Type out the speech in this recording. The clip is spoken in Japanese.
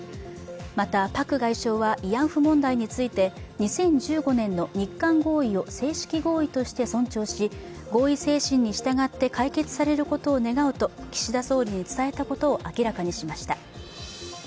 また、パク外相は慰安婦問題について２０１５年の日韓合意を正式合意として尊重し合意精神に従って解決されることを願うと岸田総理に伝えたことを明らかにしました。